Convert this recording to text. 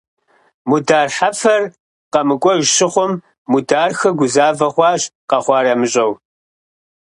Мудар Хьэфэр къэмыкӀуэж щыхъум Мудархэ гузавэ хъуащ къэхъуар ямыщӀэу.